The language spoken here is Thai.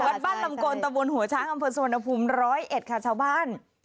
วัดบ้านลำโกนตะบนหัวช้างอำเภอสวนภูมิ๑๐๑ค่ะชาวบ้าน